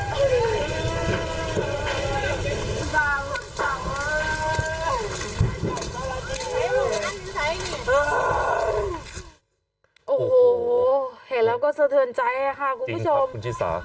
จริงครับคุณชิสา